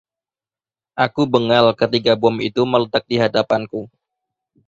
Aku bengal ketika bom itu meledak di hadapanku.